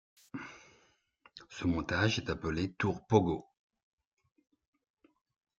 Ce montage est appelé tour Pogo.